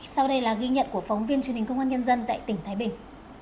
sau đây là ghi nhận của phóng viên truyền hình công an nhân dân tại tỉnh thái bình